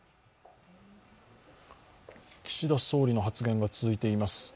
岸田総理の発言が続いております。